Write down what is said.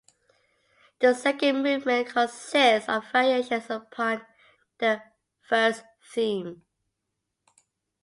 The second movement consists of variations upon the first theme.